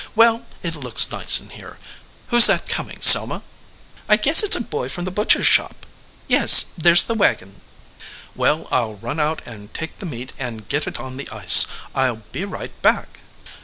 Well, it looks nice in here. Who s that com ing, Selma?" "I guess it s a boy from the butcher s shop. Yes, there s the wagon." "Well, I ll run out and take the meat and get it on the ice. I ll be right back."